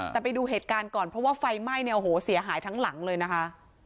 แต่ไปดูเหตุการณ์ก่อนเพราะว่าไฟไหม้เนี่ยโอ้โหเสียหายทั้งหลังเลยนะคะ